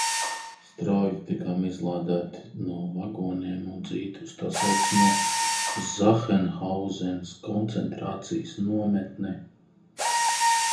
Strauji tikām izlādēti no vagoniem un dzīti uz tā saucamo Sachenhausenas koncentrācijas nometni.